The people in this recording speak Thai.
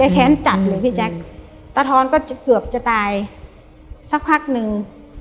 แค้นจัดเลยพี่แจ๊คตะทอนก็เกือบจะตายสักพักหนึ่ง